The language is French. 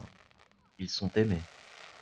ils sont aimés.